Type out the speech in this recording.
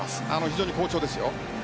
非常に好調ですよ。